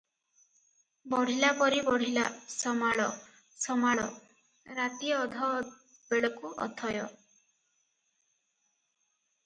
ବଢ଼ିଲାପରି ବଢିଲା- ସମାଳ, ସମାଳ- ରାତି ଅଧ ବେଳକୁ ଅଥୟ ।